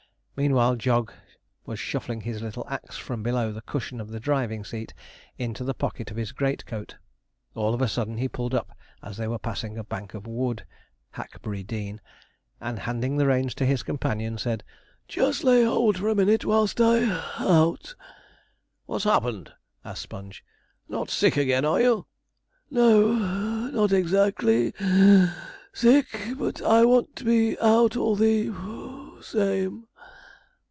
Meanwhile Jog was shuffling his little axe from below the cushion of the driving seat into the pocket of his great coat. All of a sudden he pulled up, as they were passing a bank of wood (Hackberry Dean), and handing the reins to his companion, said: 'Just lay hold for a minute whilst I (puff) out.' 'What's happened?' asked Sponge. 'Not sick again, are you?' 'No (puff), not exactly (wheeze) sick, but I want to be out all the (puff) same.'